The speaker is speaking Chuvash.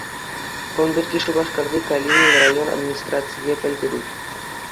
Кун пирки Шупашкарти Калинин район администрацийӗ пӗлтерет.